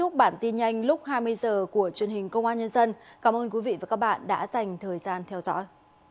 cảm ơn các bạn đã theo dõi